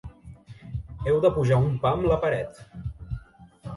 Heu de pujar un pam la paret.